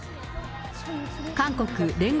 韓国聯合